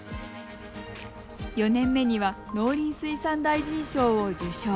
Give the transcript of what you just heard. ４年目には農林水産大臣賞を受賞。